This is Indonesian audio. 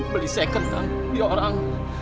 beli second kang